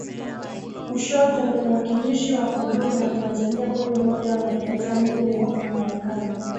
Kushoto ni Mwakilishi wa kudumu wa Tanzania kwenye Umoja wa Mataifa New York Marekani